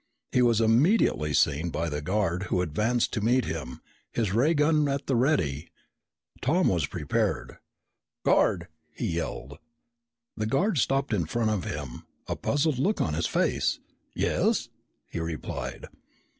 He was immediately seen by the guard who advanced to meet him, his ray gun at the ready. Tom was prepared. "Guard!" he yelled. The guard stopped in front of him, a puzzled look on his face. "Yes?" he replied.